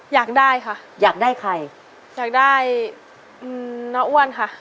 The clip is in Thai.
อยากได้ค่ะอยากได้ใครอยากได้น้าอ้วนค่ะ